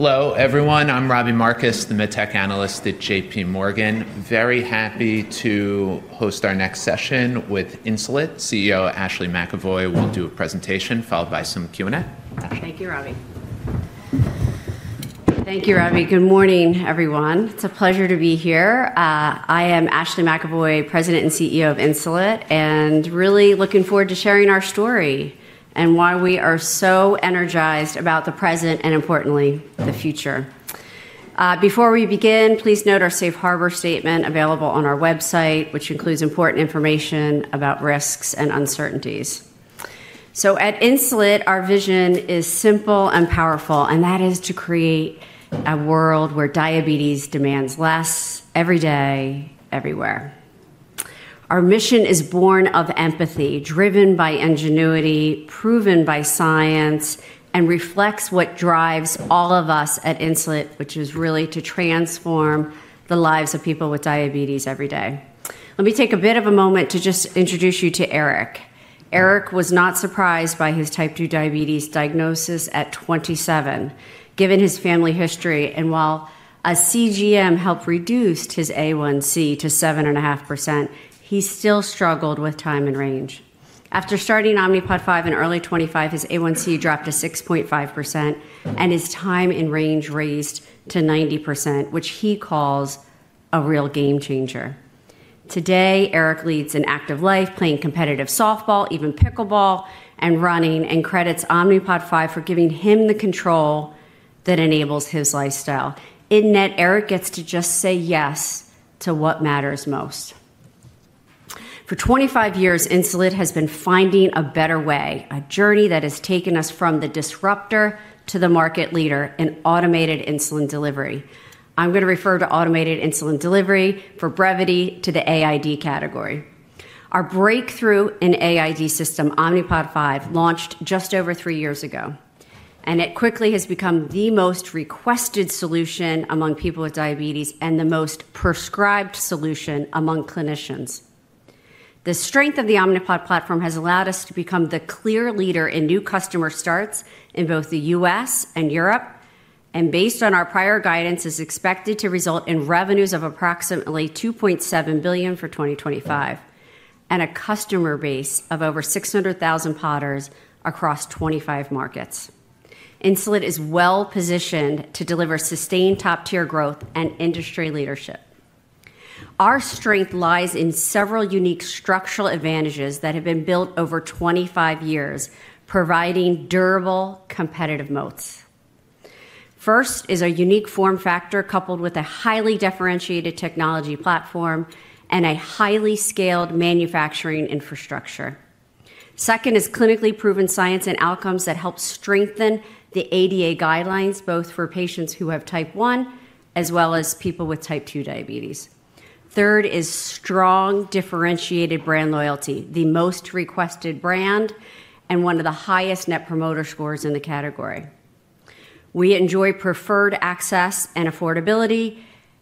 Hello, everyone. I'm Robbie Marcus, the MedTech analyst at JPMorgan. Very happy to host our next session with Insulet. CEO Ashley McEvoy will do a presentation followed by some Q&A. Thank you, Robbie. Thank you, Robbie. Good morning, everyone. It's a pleasure to be here. I am Ashley McEvoy, President and CEO of Insulet, and really looking forward to sharing our story and why we are so energized about the present and, importantly, the future. Before we begin, please note our Safe Harbor statement available on our website, which includes important information about risks and uncertainties. So at Insulet, our vision is simple and powerful, and that is to create a world where diabetes demands less every day, everywhere. Our mission is born of empathy, driven by ingenuity, proven by science, and reflects what drives all of us at Insulet, which is really to transform the lives of people with diabetes every day. Let me take a bit of a moment to just introduce you to Eric. Eric was not surprised by his type 2 diabetes diagnosis at 27, given his family history. And while a CGM helped reduce his A1C to 7.5%, he still struggled with time in range. After starting Omnipod 5 in early 2025, his A1C dropped to 6.5%, and his time in range raised to 90%, which he calls a real game changer. Today, Eric leads an active life, playing competitive softball, even pickleball, and running, and credits Omnipod 5 for giving him the control that enables his lifestyle. In that, Eric gets to just say yes to what matters most. For 25 years, Insulet has been finding a better way, a journey that has taken us from the disruptor to the market leader in automated insulin delivery. I'm going to refer to automated insulin delivery for brevity to the AID category. Our breakthrough in AID system, Omnipod 5, launched just over three years ago, and it quickly has become the most requested solution among people with diabetes and the most prescribed solution among clinicians. The strength of the Omnipod platform has allowed us to become the clear leader in new customer starts in both the U.S. and Europe, and based on our prior guidance, is expected to result in revenues of approximately $2.7 billion for 2025 and a customer-base of over 600,000 Podders across 25 markets. Insulet is well positioned to deliver sustained top-tier growth and industry leadership. Our strength lies in several unique structural advantages that have been built over 25 years, providing durable competitive moats. First is a unique form factor coupled with a highly differentiated technology platform and a highly scaled manufacturing infrastructure. Second is clinically proven science and outcomes that help strengthen the ADA guidelines both for patients who have Type 1 as well as people with Type 2 diabetes. Third is strong differentiated brand loyalty, the most requested brand and one of the highest Net Promoter Scores in the category. We enjoy preferred access and affordability,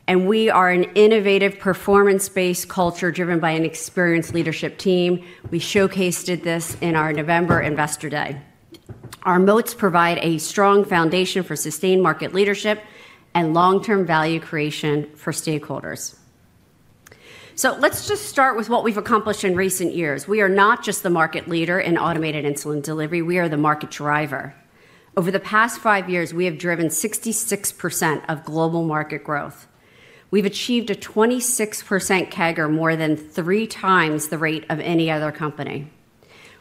and we are an innovative performance-based culture driven by an experienced leadership team. We showcased this in our November Investor Day. Our moats provide a strong foundation for sustained market leadership and long-term value creation for stakeholders. Let's just start with what we've accomplished in recent years. We are not just the market leader in automated insulin delivery. We are the market driver. Over the past five years, we have driven 66% of global market growth. We've achieved a 26% CAGR, more than three times the rate of any other company.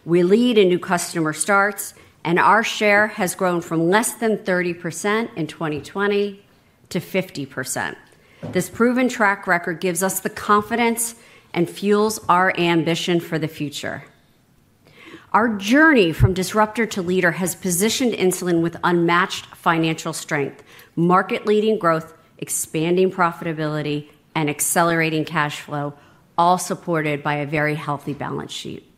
We lead in new customer starts, and our share has grown from less than 30% in 2020 to 50%. This proven track record gives us the confidence and fuels our ambition for the future. Our journey from disruptor to leader has positioned Insulet with unmatched financial strength, market-leading growth, expanding profitability, and accelerating cash flow, all supported by a very healthy balance sheet.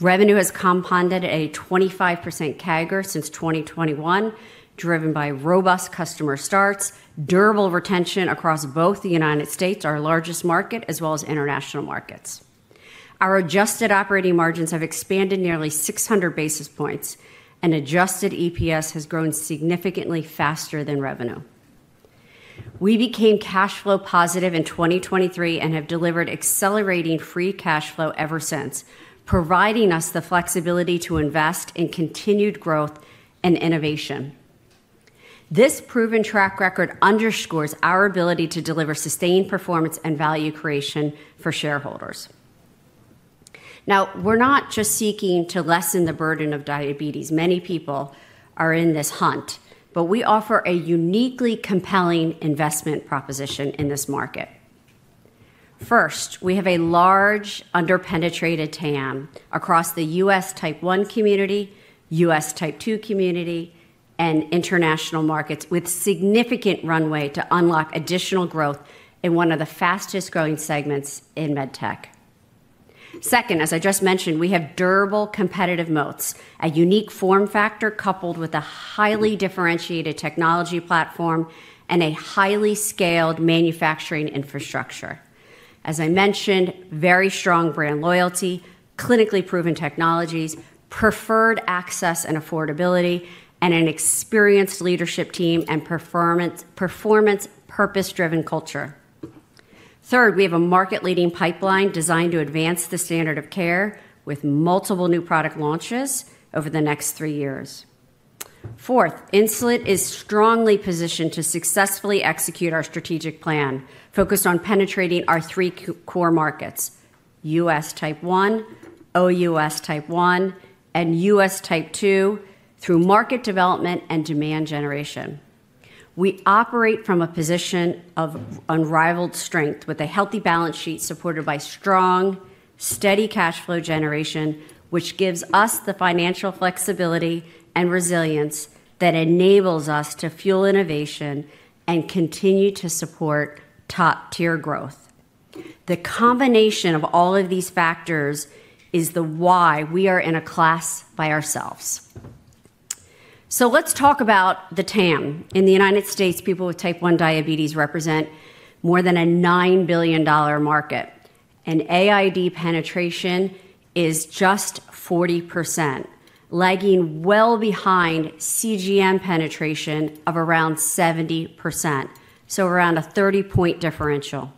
Revenue has compounded at a 25% CAGR since 2021, driven by robust customer starts, durable retention across both the United States, our largest market, as well as international markets. Our adjusted operating margins have expanded nearly 600 basis points, and adjusted EPS has grown significantly faster than revenue. We became cash flow positive in 2023 and have delivered accelerating free cash flow ever since, providing us the flexibility to invest in continued growth and innovation. This proven track record underscores our ability to deliver sustained performance and value creation for shareholders. Now, we're not just seeking to lessen the burden of diabetes. Many people are in this hunt, but we offer a uniquely compelling investment proposition in this market. First, we have a large under-penetrated TAM across the U.S. type 1 community, U.S. type 2 community, and international markets with significant runway to unlock additional growth in one of the fastest growing segments in Med Tech. Second, as I just mentioned, we have durable competitive moats, a unique form factor coupled with a highly differentiated technology platform and a highly scaled manufacturing infrastructure. As I mentioned, very strong brand loyalty, clinically proven technologies, preferred access and affordability, and an experienced leadership team and performance purpose-driven culture. Third, we have a market-leading pipeline designed to advance the standard of care with multiple new product launches over the next three years. Fourth, Insulet is strongly positioned to successfully execute our strategic plan focused on penetrating our three core markets: U.S. type 1, OUS type 1, and U.S. type 2 through market development and demand generation. We operate from a position of unrivaled strength with a healthy balance sheet supported by strong, steady cash flow generation, which gives us the financial flexibility and resilience that enables us to fuel innovation and continue to support top-tier growth. The combination of all of these factors is the why we are in a class by ourselves. So let's talk about the TAM. In the United States, people with Type 1 diabetes represent more than a $9 billion market, and AID penetration is just 40%, lagging well behind CGM penetration of around 70%, so around a 30-point differential.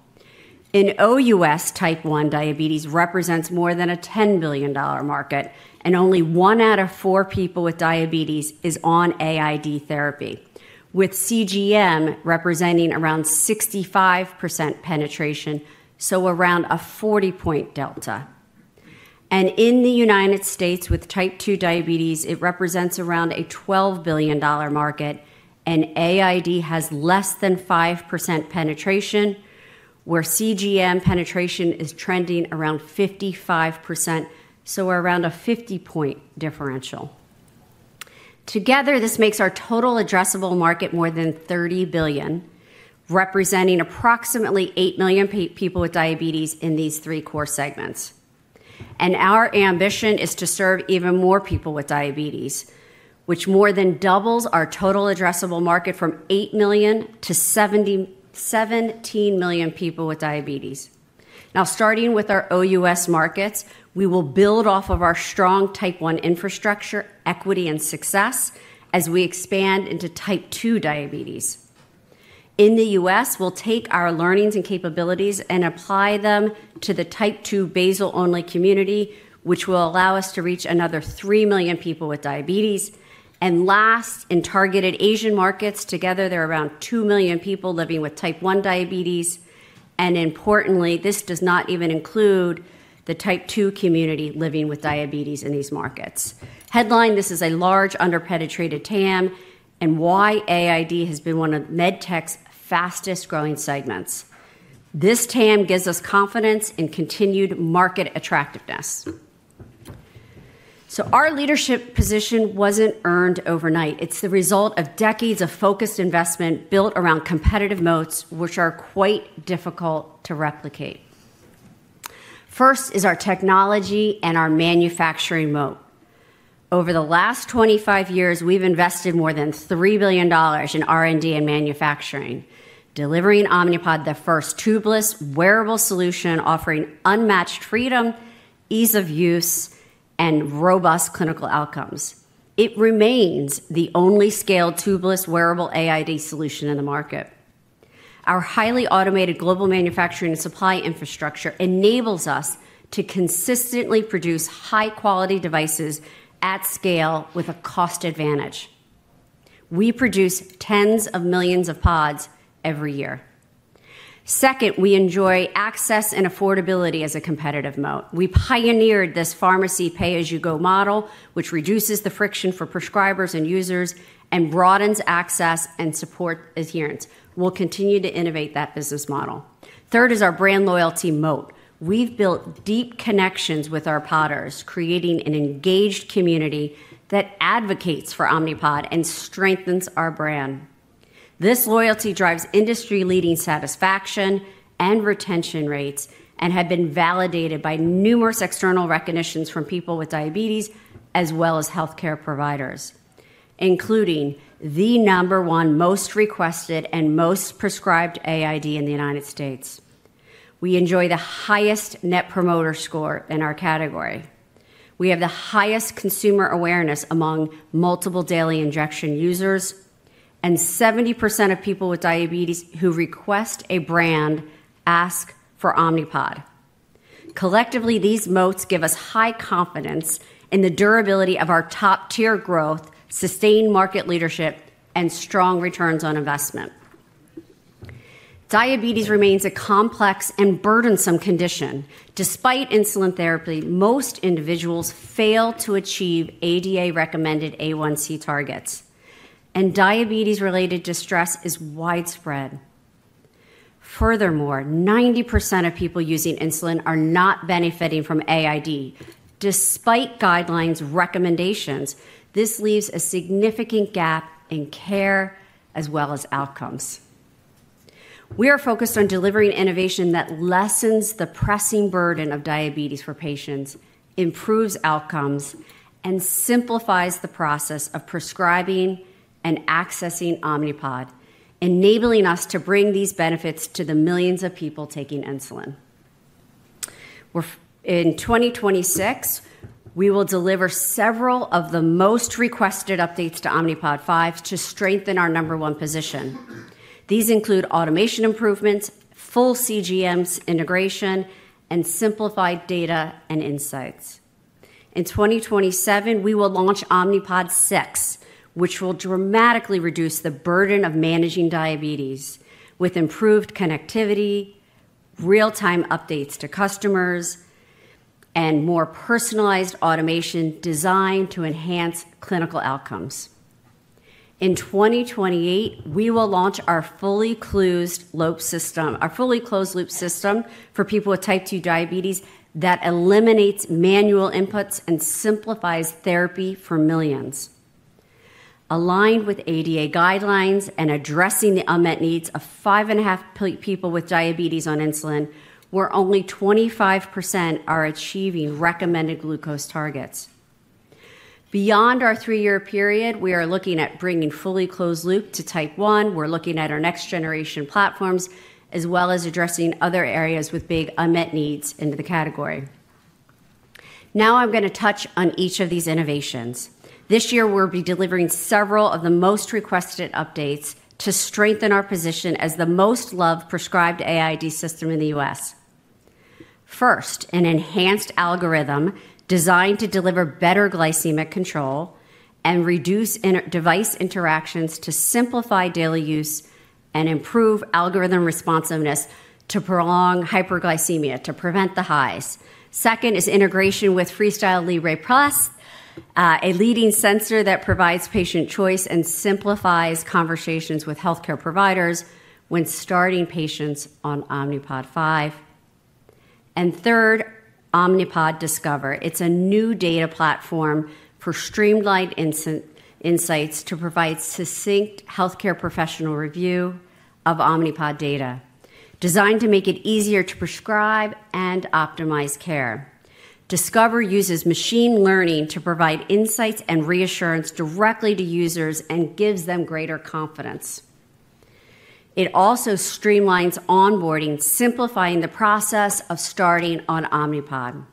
In OUS, Type 1 diabetes represents more than a $10 billion market, and only one out of four people with diabetes is on AID therapy, with CGM representing around 65% penetration, so around a 40-point delta. And in the United States, with Type 2 diabetes, it represents around a $12 billion market, and AID has less than 5% penetration, where CGM penetration is trending around 55%, so around a 50-point differential. Together, this makes our total addressable market more than $30 billion, representing approximately 8 million people with diabetes in these three core segments. Our ambition is to serve even more people with diabetes, which more than doubles our total addressable market from eight million to 17 million people with diabetes. Now, starting with our OUS markets, we will build off of our strong Type 1 infrastructure, equity, and success as we expand into Type 2 diabetes. In the U.S., we'll take our learnings and capabilities and apply them to the Type 2 basal-only community, which will allow us to reach another three million people with diabetes. Last, in targeted Asian markets, together there are around two million people living with Type 1 diabetes. Importantly, this does not even include the Type 2 community living with diabetes in these markets. Headline, this is a large under-penetrated TAM, and why AID has been one of med tech's fastest-growing segments. This TAM gives us confidence in continued market attractiveness. So our leadership position wasn't earned overnight. It's the result of decades of focused investment built around competitive moats, which are quite difficult to replicate. First is our technology and our manufacturing moat. Over the last 25 years, we've invested more than $3 billion in R&D and manufacturing, delivering Omnipod, the first tubeless wearable solution offering unmatched freedom, ease of use, and robust clinical outcomes. It remains the only scaled tubeless wearable AID solution in the market. Our highly automated global manufacturing and supply infrastructure enables us to consistently produce high-quality devices at scale with a cost advantage. We produce tens of millions of pods every year. Second, we enjoy access and affordability as a competitive moat. We pioneered this pharmacy pay-as-you-go model, which reduces the friction for prescribers and users and broadens access and support adherence. We'll continue to innovate that business model. Third is our brand loyalty moat. We've built deep connections with our podders, creating an engaged community that advocates for Omnipod and strengthens our brand. This loyalty drives industry-leading satisfaction and retention rates and has been validated by numerous external recognitions from people with diabetes as well as healthcare providers, including the number one most requested and most prescribed AID in the United States. We enjoy the highest Net Promoter Score in our category. We have the highest consumer awareness among multiple daily injections users, and 70% of people with diabetes who request a brand ask for Omnipod. Collectively, these moats give us high confidence in the durability of our top-tier growth, sustained market leadership, and strong returns on investment. Diabetes remains a complex and burdensome condition. Despite insulin therapy, most individuals fail to achieve ADA-recommended A1C targets, and diabetes-related distress is widespread. Furthermore, 90% of people using insulin are not benefiting from AID. Despite guidelines recommendations, this leaves a significant gap in care as well as outcomes. We are focused on delivering innovation that lessens the pressing burden of diabetes for patients, improves outcomes, and simplifies the process of prescribing and accessing Omnipod, enabling us to bring these benefits to the millions of people taking insulin. In 2026, we will deliver several of the most requested updates to Omnipod 5 to strengthen our number one position. These include automation improvements, full CGM integration, and simplified data and insights. In 2027, we will launch Omnipod 6, which will dramatically reduce the burden of managing diabetes with improved connectivity, real-time updates to customers, and more personalized automation designed to enhance clinical outcomes. In 2028, we will launch our fully closed loop system, our fully closed loop system for people with type 2 diabetes that eliminates manual inputs and simplifies therapy for millions. Aligned with ADA guidelines and addressing the unmet needs of 5.5 million people with diabetes on insulin, where only 25% are achieving recommended glucose targets. Beyond our three-year period, we are looking at bringing fully closed loop to type 1. We're looking at our next generation platforms as well as addressing other areas with big unmet needs into the category. Now I'm going to touch on each of these innovations. This year, we'll be delivering several of the most requested updates to strengthen our position as the most loved prescribed AID system in the U.S. First, an enhanced algorithm designed to deliver better glycemic control and reduce device interactions to simplify daily use and improve algorithm responsiveness to prolonged hyperglycemia to prevent the highs. Second is integration with FreeStyle Libre Plus, a leading sensor that provides patient choice and simplifies conversations with healthcare providers when starting patients on Omnipod 5, and third, Omnipod Discover. It's a new data platform for streamlined insights to provide succinct healthcare professional review of Omnipod data, designed to make it easier to prescribe and optimize care. Discover uses machine learning to provide insights and reassurance directly to users and gives them greater confidence. It also streamlines onboarding, simplifying the process of starting on Omnipod.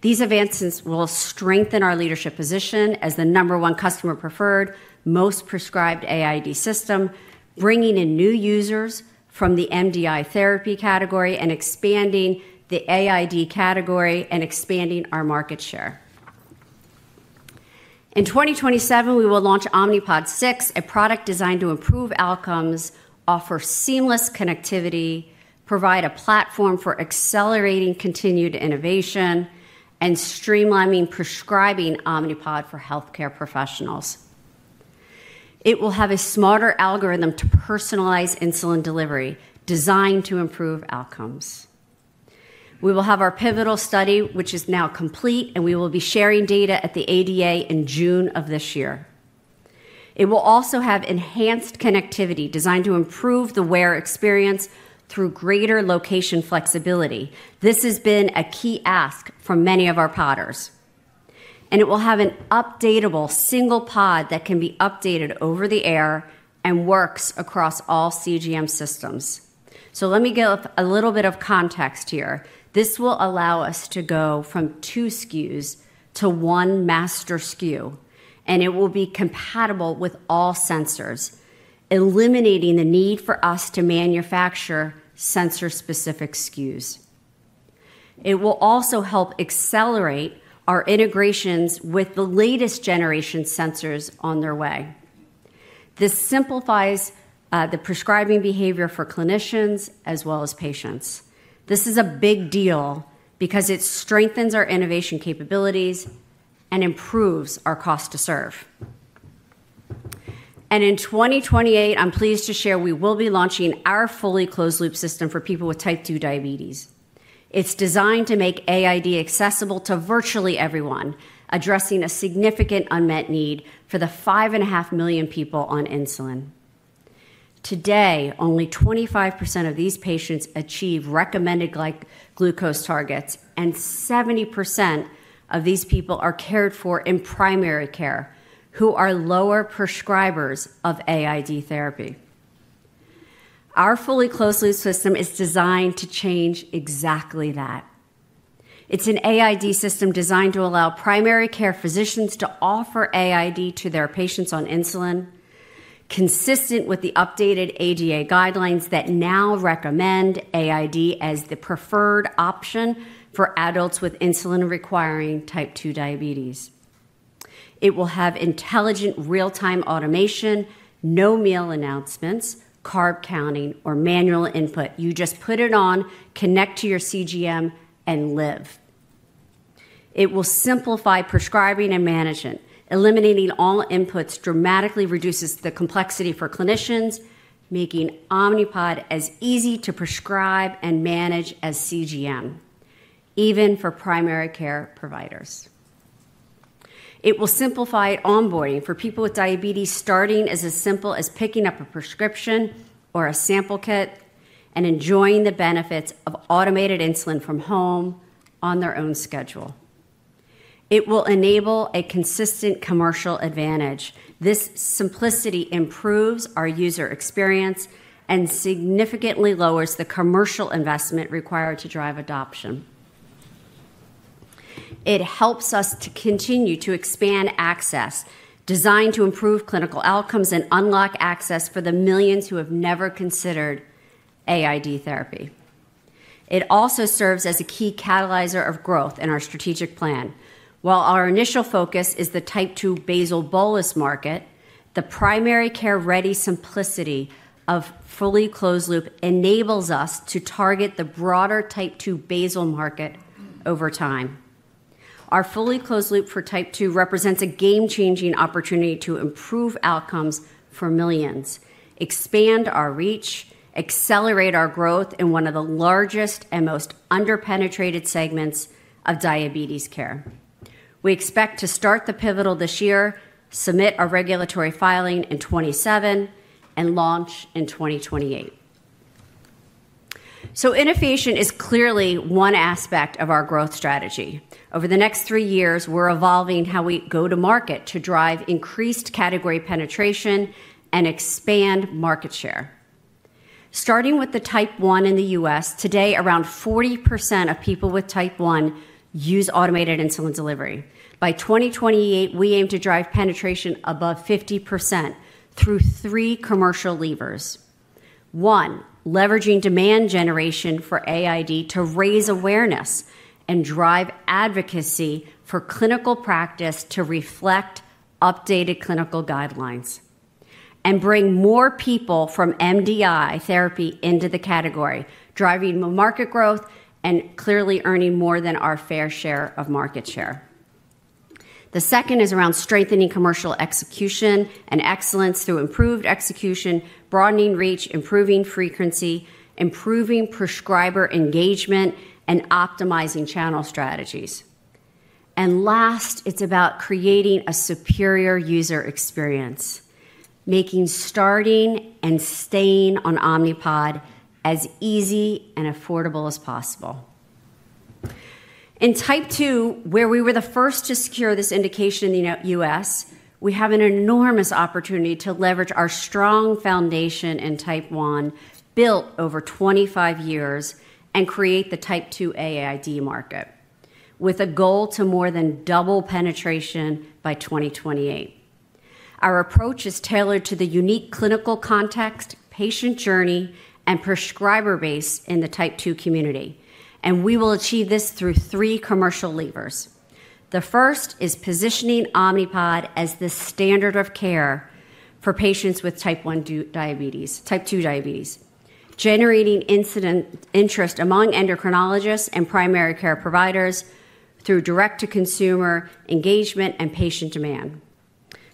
These advancements will strengthen our leadership position as the number one customer-preferred, most prescribed AID system, bringing in new users from the MDI therapy category and expanding the AID category and expanding our market share. In 2027, we will launch Omnipod 6, a product designed to improve outcomes, offer seamless connectivity, provide a platform for accelerating continued innovation, and streamlining prescribing Omnipod for healthcare professionals. It will have a smarter algorithm to personalize insulin delivery designed to improve outcomes. We will have our pivotal study, which is now complete, and we will be sharing data at the ADA in June of this year. It will also have enhanced connectivity designed to improve the wear experience through greater location flexibility. This has been a key ask from many of our podders. And it will have an updatable single pod that can be updated over the air and works across all CGM systems. So let me give a little bit of context here. This will allow us to go from two SKUs to one master SKU, and it will be compatible with all sensors, eliminating the need for us to manufacture sensor-specific SKUs. It will also help accelerate our integrations with the latest generation sensors on their way. This simplifies the prescribing behavior for clinicians as well as patients. This is a big deal because it strengthens our innovation capabilities and improves our cost to serve. And in 2028, I'm pleased to share we will be launching our fully closed loop system for people with Type 2 diabetes. It's designed to make AID accessible to virtually everyone, addressing a significant unmet need for the 5.5 million people on insulin. Today, only 25% of these patients achieve recommended glucose targets, and 70% of these people are cared for in primary care who are lower prescribers of AID therapy. Our fully closed loop system is designed to change exactly that. It's an AID system designed to allow primary care physicians to offer AID to their patients on insulin, consistent with the updated ADA guidelines that now recommend AID as the preferred option for adults with insulin-requiring type 2 diabetes. It will have intelligent real-time automation, no meal announcements, carb counting, or manual input. You just put it on, connect to your CGM, and live. It will simplify prescribing and management. Eliminating all inputs dramatically reduces the complexity for clinicians, making Omnipod as easy to prescribe and manage as CGM, even for primary care providers. It will simplify onboarding for people with diabetes starting as simple as picking up a prescription or a sample kit and enjoying the benefits of automated insulin from home on their own schedule. It will enable a consistent commercial advantage. This simplicity improves our user experience and significantly lowers the commercial investment required to drive adoption. It helps us to continue to expand access, designed to improve clinical outcomes and unlock access for the millions who have never considered AID therapy. It also serves as a key catalyzer of growth in our strategic plan. While our initial focus is the type 2 basal bolus market, the primary care-ready simplicity of fully closed loop enables us to target the broader type 2 basal market over time. Our fully closed loop for type 2 represents a game-changing opportunity to improve outcomes for millions, expand our reach, accelerate our growth in one of the largest and most under-penetrated segments of diabetes care. We expect to start the pivotal this year, submit our regulatory filing in 2027, and launch in 2028, so innovation is clearly one aspect of our growth strategy. Over the next three years, we're evolving how we go to market to drive increased category penetration and expand market share. Starting with the type 1 in the U.S., today around 40% of people with type 1 use automated insulin delivery. By 2028, we aim to drive penetration above 50% through three commercial levers. One, leveraging demand generation for AID to raise awareness and drive advocacy for clinical practice to reflect updated clinical guidelines and bring more people from MDI therapy into the category, driving market growth and clearly earning more than our fair share of market share. The second is around strengthening commercial execution and excellence through improved execution, broadening reach, improving frequency, improving prescriber engagement, and optimizing channel strategies. And last, it's about creating a superior user experience, making starting and staying on Omnipod as easy and affordable as possible. In type 2, where we were the first to secure this indication in the U.S., we have an enormous opportunity to leverage our strong foundation in type 1 built over 25 years and create the type 2 AID market with a goal to more than double penetration by 2028. Our approach is tailored to the unique clinical context, patient journey, and prescriber base in the type 2 community, and we will achieve this through three commercial levers. The first is positioning Omnipod as the standard of care for patients with type 1 diabetes, type 2 diabetes, generating incipient interest among endocrinologists and primary care providers through direct-to-consumer engagement and patient demand,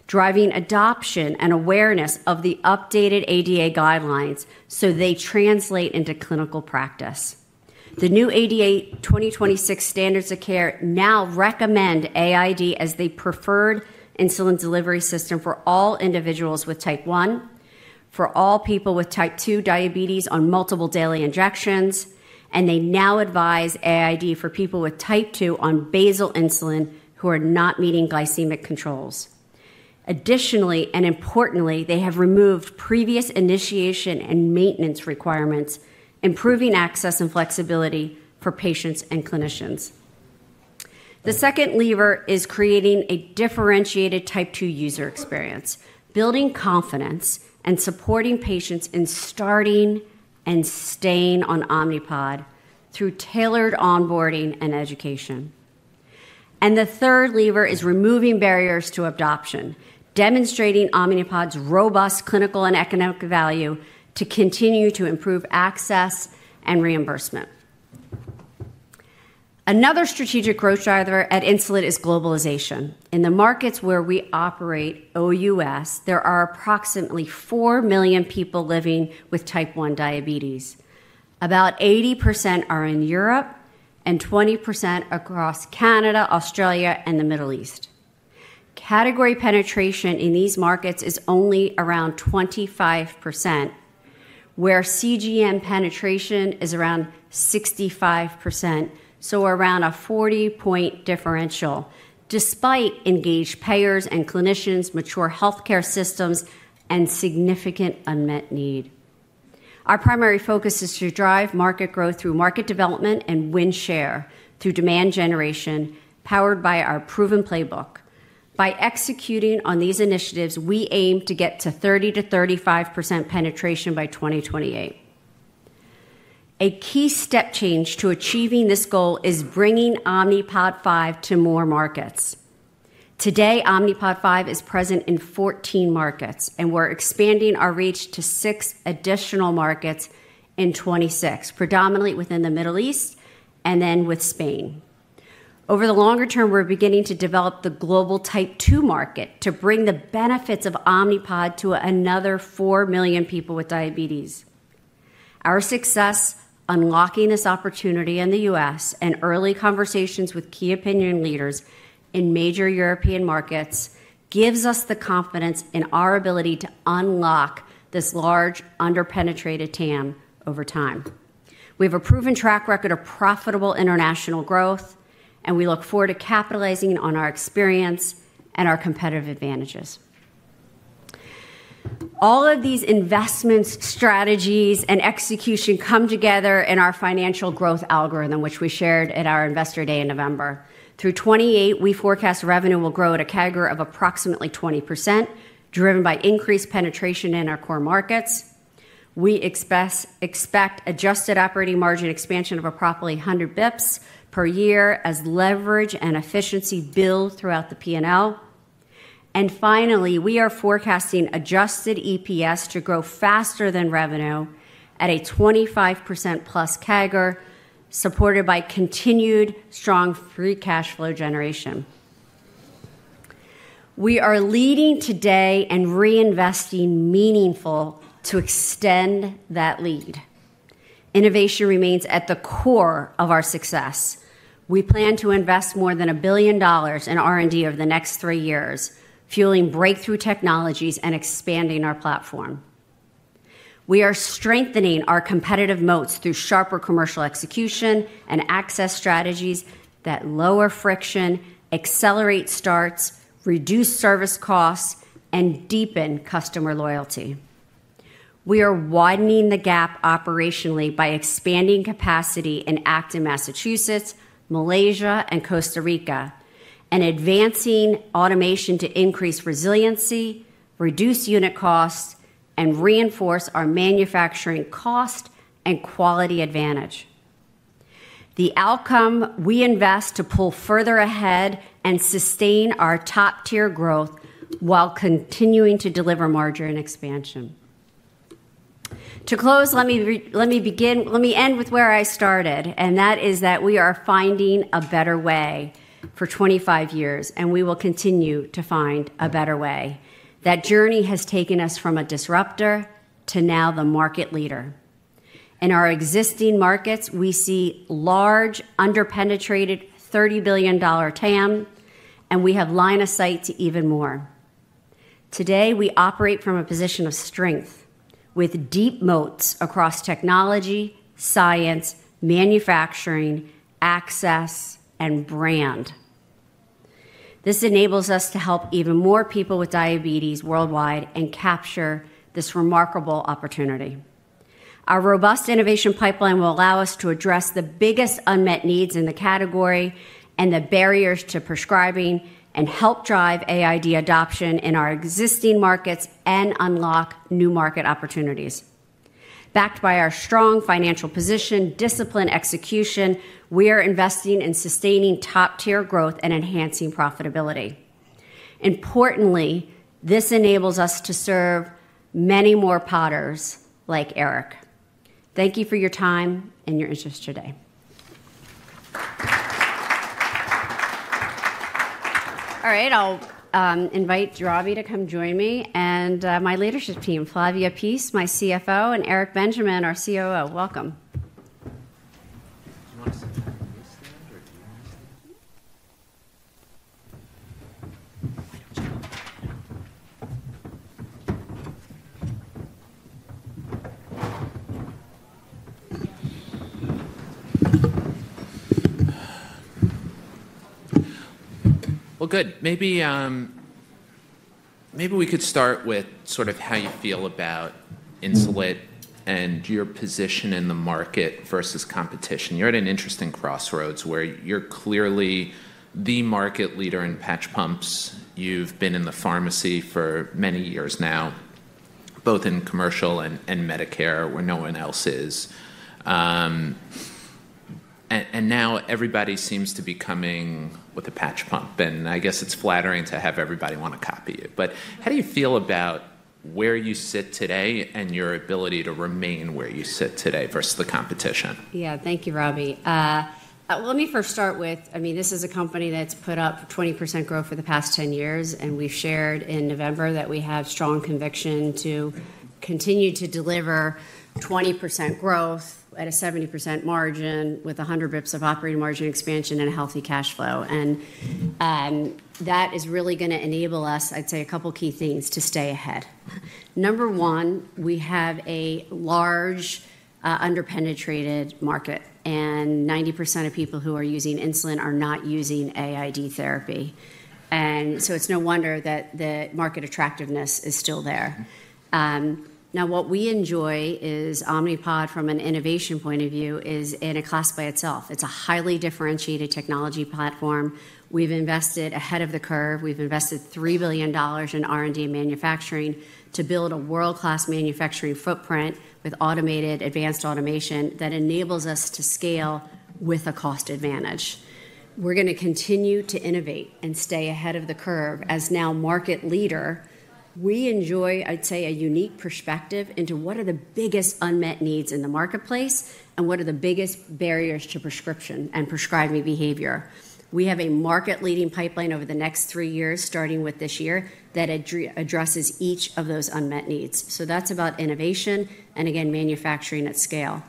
driving adoption and awareness of the updated ADA guidelines so they translate into clinical practice. The new ADA 2026 Standards of Care now recommend AID as the preferred insulin delivery system for all individuals with Type 1, for all people with Type 2 diabetes on multiple daily injections, and they now advise AID for people with Type 2 on basal insulin who are not meeting glycemic controls. Additionally, and importantly, they have removed previous initiation and maintenance requirements, improving access and flexibility for patients and clinicians. The second lever is creating a differentiated Type 2 user experience, building confidence and supporting patients in starting and staying on Omnipod through tailored onboarding and education. And the third lever is removing barriers to adoption, demonstrating Omnipod's robust clinical and economic value to continue to improve access and reimbursement. Another strategic growth driver at Insulet is globalization. In the markets where we operate, OUS, there are approximately four million people living with Type 1 diabetes. About 80% are in Europe and 20% across Canada, Australia, and the Middle East. Category penetration in these markets is only around 25%, where CGM penetration is around 65%, so around a 40-point differential, despite engaged payers and clinicians, mature healthcare systems, and significant unmet need. Our primary focus is to drive market growth through market development and win share through demand generation powered by our proven playbook. By executing on these initiatives, we aim to get to 30%-35% penetration by 2028. A key step change to achieving this goal is bringing Omnipod 5 to more markets. Today, Omnipod 5 is present in 14 markets, and we're expanding our reach to six additional markets in 2026, predominantly within the Middle East and then with Spain. Over the longer term, we're beginning to develop the global type 2 market to bring the benefits of Omnipod to another 4 million people with diabetes. Our success unlocking this opportunity in the U.S. and early conversations with key opinion leaders in major European markets gives us the confidence in our ability to unlock this large under-penetrated TAM over time. We have a proven track record of profitable international growth, and we look forward to capitalizing on our experience and our competitive advantages. All of these investments, strategies, and execution come together in our financial growth algorithm, which we shared at our investor day in November. Through 2028, we forecast revenue will grow at a category of approximately 20%, driven by increased penetration in our core markets. We expect adjusted operating margin expansion of approximately 100 basis points per year as leverage and efficiency build throughout the P&L. Finally, we are forecasting adjusted EPS to grow faster than revenue at a 25%+ CAGR, supported by continued strong free cash flow generation. We are leading today and reinvesting meaningfully to extend that lead. Innovation remains at the core of our success. We plan to invest more than $1 billion in R&D over the next three years, fueling breakthrough technologies and expanding our platform. We are strengthening our competitive moats through sharper commercial execution and access strategies that lower friction, accelerate starts, reduce service costs, and deepen customer loyalty. We are widening the gap operationally by expanding capacity in Acton, Massachusetts, Malaysia, and Costa Rica, and advancing automation to increase resiliency, reduce unit costs, and reinforce our manufacturing cost and quality advantage. The outcome we invest to pull further ahead and sustain our top-tier growth while continuing to deliver margin expansion. To close, let me begin, let me end with where I started, and that is that we are finding a better way for 25 years, and we will continue to find a better way. That journey has taken us from a disruptor to now the market leader. In our existing markets, we see large under-penetrated $30 billion TAM, and we have line of sight to even more. Today, we operate from a position of strength with deep moats across technology, science, manufacturing, access, and brand. This enables us to help even more people with diabetes worldwide and capture this remarkable opportunity. Our robust innovation pipeline will allow us to address the biggest unmet needs in the category and the barriers to prescribing and help drive AID adoption in our existing markets and unlock new market opportunities. Backed by our strong financial position, discipline, execution, we are investing in sustaining top-tier growth and enhancing profitability. Importantly, this enables us to serve many more patients like Eric. Thank you for your time and your interest today. All right, I'll invite Robbie to come join me and my leadership team, Flavia Pease, my CFO, and Eric Benjamin, our COO. Welcome. Do you want to sit on the uncertain or do you want to sit here? Well, good. Maybe we could start with sort of how you feel about Insulet and your position in the market versus competition. You're at an interesting crossroads where you're clearly the market leader in patch pumps. You've been in the pharmacy for many years now, both in commercial and Medicare, where no one else is. And now everybody seems to be coming with a patch pump, and I guess it's flattering to have everybody want to copy you. But how do you feel about where you sit today and your ability to remain where you sit today versus the competition? Yeah, thank you, Robbie. Let me first start with, I mean, this is a company that's put up 20% growth for the past 10 years, and we shared in November that we have strong conviction to continue to deliver 20% growth at a 70% margin with 100 basis points of operating margin expansion and a healthy cash flow. And that is really going to enable us, I'd say a couple of key things to stay ahead. Number one, we have a large under-penetrated market, and 90% of people who are using insulin are not using AID therapy. And so it's no wonder that the market attractiveness is still there. Now, what we enjoy is Omnipod from an innovation point of view is in a class by itself. It's a highly differentiated technology platform. We've invested ahead of the curve. We've invested $3 billion in R&D manufacturing to build a world-class manufacturing footprint with automated advanced automation that enables us to scale with a cost advantage. We're going to continue to innovate and stay ahead of the curve. As now market leader, we enjoy, I'd say, a unique perspective into what are the biggest unmet needs in the marketplace and what are the biggest barriers to prescription and prescribing behavior. We have a market-leading pipeline over the next three years, starting with this year, that addresses each of those unmet needs. So that's about innovation and, again, manufacturing at scale.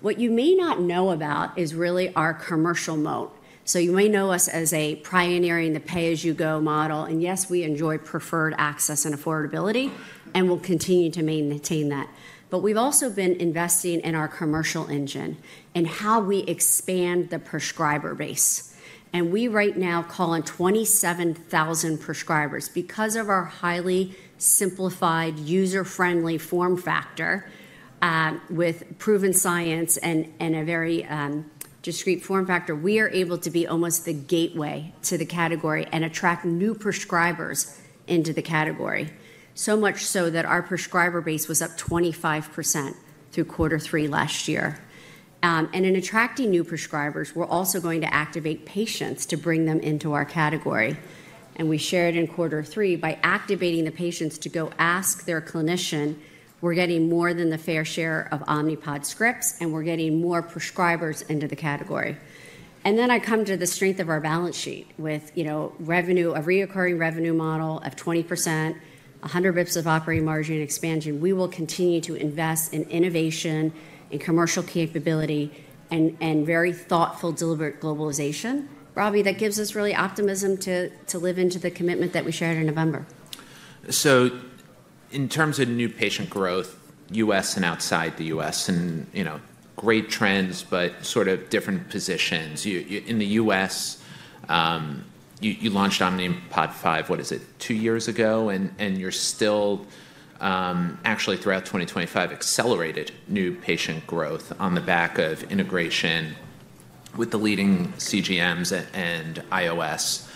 What you may not know about is really our commercial moat. So you may know us as a pioneering the pay-as-you-go model. And yes, we enjoy preferred access and affordability and will continue to maintain that. But we've also been investing in our commercial engine and how we expand the prescriber base. And we right now call on 27,000 prescribers because of our highly simplified user-friendly form factor with proven science and a very discreet form factor. We are able to be almost the gateway to the category and attract new prescribers into the category, so much so that our prescriber base was up 25% through quarter three last year. And in attracting new prescribers, we're also going to activate patients to bring them into our category. And we shared in quarter three by activating the patients to go ask their clinician, "We're getting more than the fair share of Omnipod scripts, and we're getting more prescribers into the category." And then I come to the strength of our balance sheet with recurring revenue model of 20%, 100 basis points of operating margin expansion. We will continue to invest in innovation, in commercial capability, and very thoughtful, deliberate globalization. Robbie, that gives us really optimism to live into the commitment that we shared in November. So in terms of new patient growth, U.S. and outside the U.S., and great trends, but sort of different positions. In the U.S., you launched Omnipod 5, what is it, two years ago, and you're still actually throughout 2025 accelerated new patient growth on the back of integration with the leading CGMs and iOS.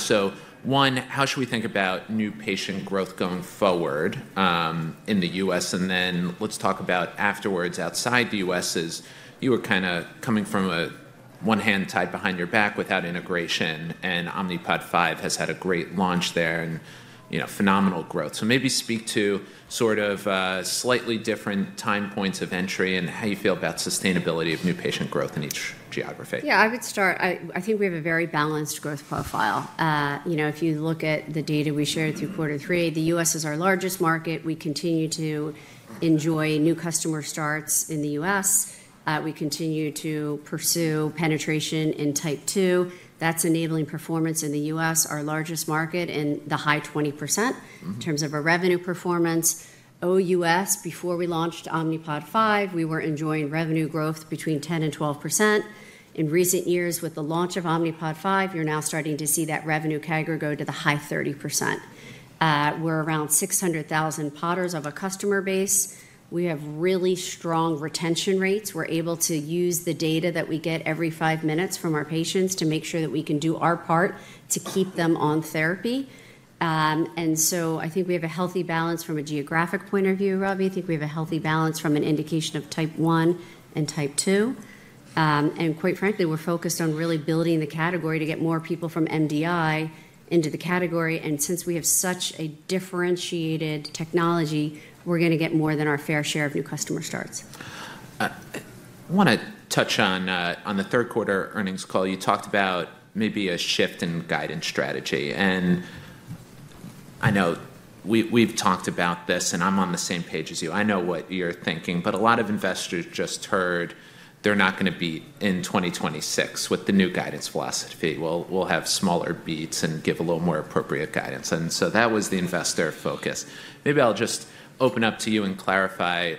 So one, how should we think about new patient growth going forward in the U.S.? And then let's talk about afterwards outside the U.S. as you were kind of coming from one hand tied behind your back without integration, and Omnipod 5 has had a great launch there and phenomenal growth. So maybe speak to sort of slightly different time points of entry and how you feel about sustainability of new patient growth in each geography. Yeah, I would start. I think we have a very balanced growth profile. If you look at the data we shared through quarter three, the U.S. is our largest market. We continue to enjoy new customer starts in the U.S. We continue to pursue penetration in type 2. That's enabling performance in the U.S., our largest market, and the high 20% in terms of our revenue performance. OUS, before we launched Omnipod 5, we were enjoying revenue growth between 10% and 12%. In recent years, with the launch of Omnipod 5, you're now starting to see that revenue category go to the high 30%. We're around 600,000 Podders of a customer base. We have really strong retention rates. We're able to use the data that we get every five minutes from our patients to make sure that we can do our part to keep them on therapy. And so I think we have a healthy balance from a geographic point of view, Robbie. I think we have a healthy balance from an indication of type 1 and type 2. And quite frankly, we're focused on really building the category to get more people from MDI into the category. And since we have such a differentiated technology, we're going to get more than our fair share of new customer starts. I want to touch on the third quarter earnings call. You talked about maybe a shift in guidance strategy. And I know we've talked about this, and I'm on the same page as you. I know what you're thinking, but a lot of investors just heard they're not going to beat in 2026 with the new guidance philosophy. We'll have smaller beats and give a little more appropriate guidance. And so that was the investor focus. Maybe I'll just open up to you and clarify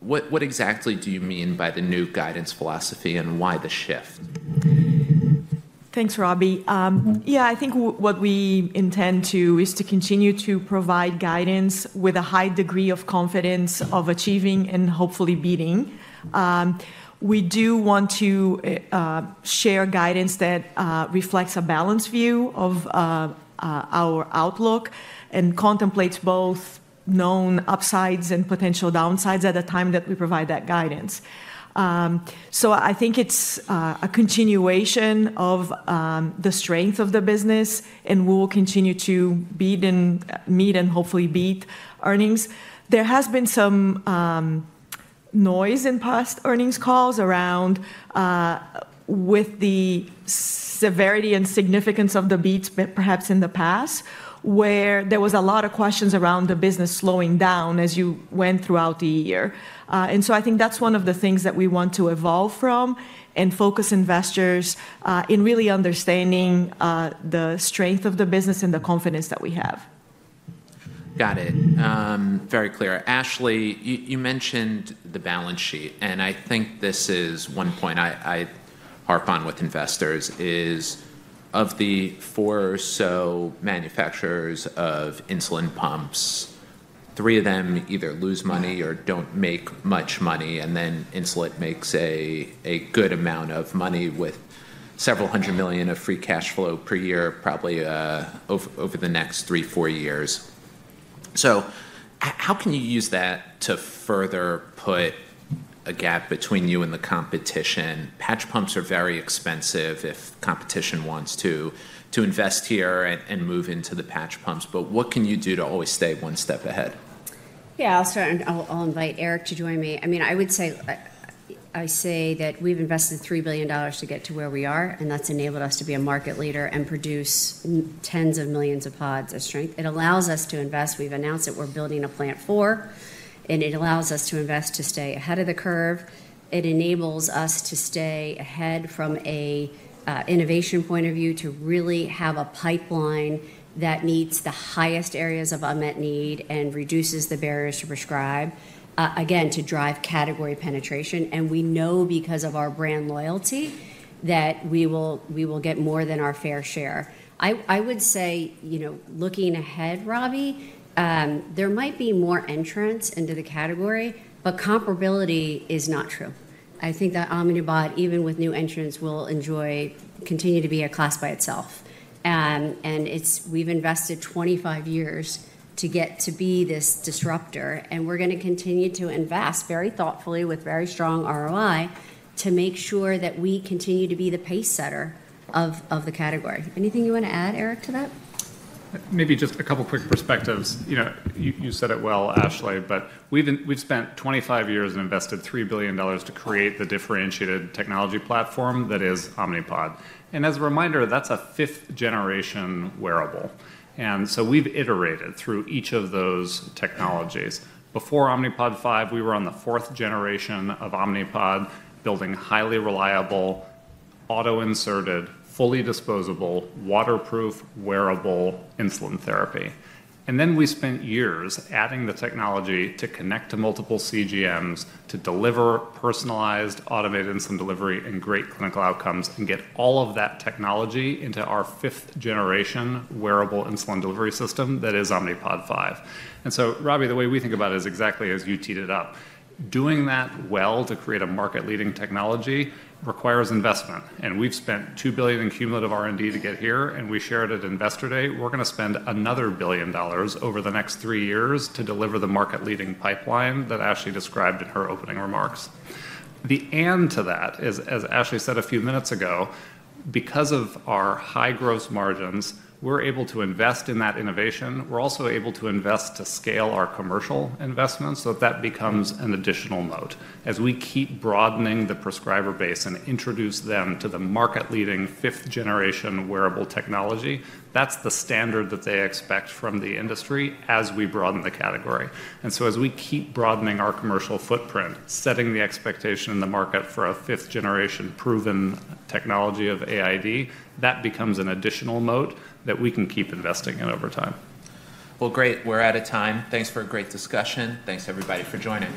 what exactly do you mean by the new guidance philosophy and why the shift? Thanks, Robbie. Yeah, I think what we intend to is to continue to provide guidance with a high degree of confidence of achieving and hopefully beating. We do want to share guidance that reflects a balanced view of our outlook and contemplates both known upsides and potential downsides at the time that we provide that guidance. So I think it's a continuation of the strength of the business, and we will continue to beat and meet and hopefully beat earnings. There has been some noise in past earnings calls around with the severity and significance of the beats, but perhaps in the past, where there was a lot of questions around the business slowing down as you went throughout the year. And so I think that's one of the things that we want to evolve from and focus investors in really understanding the strength of the business and the confidence that we have. Got it. Very clear. Ashley, you mentioned the balance sheet, and I think this is one point I harp on with investors is of the four or so manufacturers of insulin pumps, three of them either lose money or don't make much money, and then Insulet makes a good amount of money with several hundred million of free cash flow per year, probably over the next three, four years. So how can you use that to further put a gap between you and the competition? Patch pumps are very expensive if competition wants to invest here and move into the patch pumps, but what can you do to always stay one step ahead? Yeah, I'll invite Eric to join me. I mean, I would say that we've invested $3 billion to get to where we are, and that's enabled us to be a market leader and produce tens of millions of pods at strength. It allows us to invest. We've announced that we're building a plant for, and it allows us to invest to stay ahead of the curve. It enables us to stay ahead from an innovation point of view to really have a pipeline that meets the highest areas of unmet need and reduces the barriers to prescribe, again, to drive category penetration. We know because of our brand loyalty that we will get more than our fair share. I would say looking ahead, Robbie, there might be more entrants into the category, but comparability is not true. I think that Omnipod, even with new entrants, will continue to be a class by itself. And we've invested 25 years to get to be this disruptor, and we're going to continue to invest very thoughtfully with very strong ROI to make sure that we continue to be the pacesetter of the category. Anything you want to add, Eric, to that? Maybe just a couple of quick perspectives. You said it well, Ashley, but we've spent 25 years and invested $3 billion to create the differentiated technology platform that is Omnipod. And as a reminder, that's a fifth-generation wearable. And so we've iterated through each of those technologies. Before Omnipod 5, we were on the fourth generation of Omnipod, building highly reliable, auto-inserted, fully disposable, waterproof, wearable insulin therapy. And then we spent years adding the technology to connect to multiple CGMs to deliver personalized automated insulin delivery and great clinical outcomes and get all of that technology into our fifth-generation wearable insulin delivery system that is Omnipod 5. And so, Robbie, the way we think about it is exactly as you teed it up. Doing that well to create a market-leading technology requires investment. And we've spent $2 billion in cumulative R&D to get here, and we shared at investor day. We're going to spend another $1 billion over the next three years to deliver the market-leading pipeline that Ashley described in her opening remarks. And to that end, as Ashley said a few minutes ago, because of our high gross margins, we're able to invest in that innovation. We're also able to invest to scale our commercial investments so that that becomes an additional moat. As we keep broadening the prescriber base and introduce them to the market-leading fifth-generation wearable technology, that's the standard that they expect from the industry as we broaden the category. And so as we keep broadening our commercial footprint, setting the expectation in the market for a fifth-generation proven technology of AID, that becomes an additional moat that we can keep investing in over time. Well, great. We're out of time. Thanks for a great discussion. Thanks, everybody, for joining us.